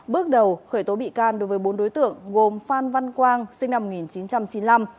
bước đầu khởi tố bị can đối với bốn đối tượng gồm phan văn quang sinh năm một nghìn chín trăm chín mươi năm